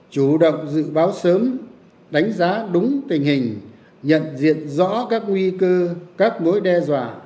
chủ động dự báo sớm đánh giá đúng tình hình nhận diện rõ các nguy cơ các mối đe dọa